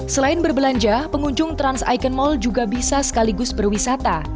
selain berbelanja pengunjung trans icon mall juga bisa sekaligus berwisata